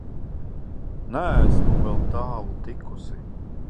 Neesmu vēl tālu tikusi.